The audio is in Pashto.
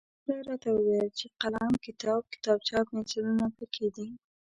هغه راته وویل چې قلم، کتاب، کتابچه او پنسلونه پکې دي.